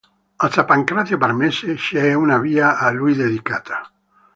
A San Pancrazio Parmense, c'è una via a lui dedicata.